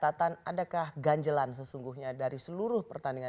tapi kalau ada catatan adakah ganjelan sesungguhnya dari seluruh pertandingan